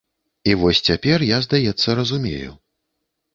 І вось цяпер я, здаецца, разумею.